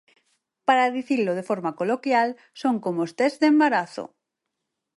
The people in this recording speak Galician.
Para dicilo de forma coloquial son como os tests de embarazo.